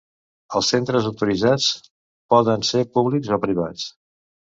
Els centres autoritzats poden ser públics o privats.